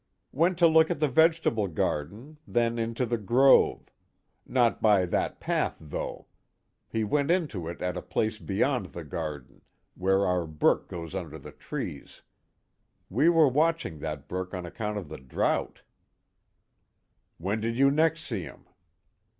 "Went to look at the vegetable garden, then into the grove not by that path though: he went into it at a place beyond the garden, where our brook goes under the trees. We were watching that brook on account of the drouth." "When did you next see him?"